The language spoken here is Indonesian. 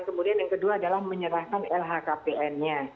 kemudian yang kedua adalah menyerahkan lhkpnnya